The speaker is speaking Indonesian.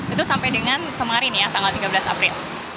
itu sampai dengan kemarin ya tanggal tiga belas april